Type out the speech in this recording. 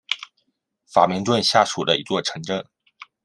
法明顿下属的一座城镇。